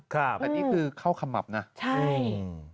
ครับอันนี้คือเข้าขมับน่ะใช่